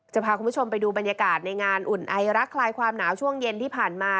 จะพาคุณผู้ชมไปดูบรรยากาศในงานอุ่นไอรักคลายความหนาวช่วงเย็นที่ผ่านมา